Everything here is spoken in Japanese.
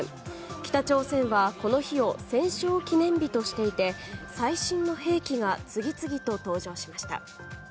北朝鮮はこの日を戦勝記念日としていて最新の兵器が次々と登場しました。